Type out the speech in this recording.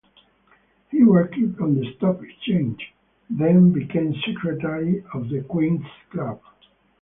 He worked on the Stock Exchange, then became secretary of The Queen's Club.